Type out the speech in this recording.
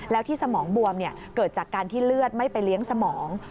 แล้วที่สมองบวมเกิดจากการที่เลือดไม่ไปเลี้ยงสมอง